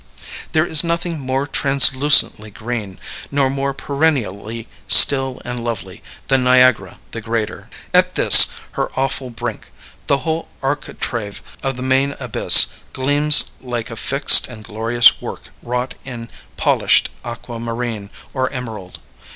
There is nothing more translucently green, nor more perennially still and lovely, than Niagara the greater. At this, her awful brink, the whole architrave of the main abyss gleams like a fixed and glorious work wrought in polished aquamarine or emerald.